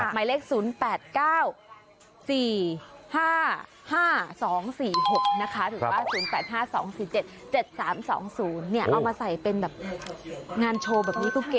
หมายเลข๐๘๙๔๕๕๒๔๖นะคะหรือว่า๐๘๕๒๔๗๗๓๒๐เอามาใส่เป็นแบบงานโชว์แบบนี้ก็เก่ง